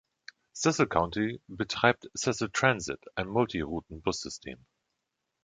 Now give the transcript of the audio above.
Cecil County betreibt Cecil Transit, ein Multi-Routen-Bussystem.